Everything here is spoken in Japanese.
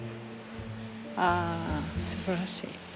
ああすばらしい。